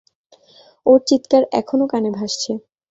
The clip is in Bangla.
ওর চিৎকার এখনও কানে ভাসছে!